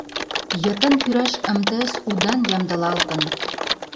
ЙЫТЫН КӰРАШ МТС УДАН ЯМДЫЛАЛТЫН